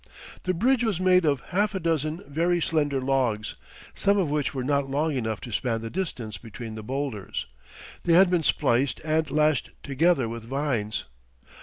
The bridge was made of half a dozen very slender logs, some of which were not long enough to span the distance between the boulders. They had been spliced and lashed together with vines.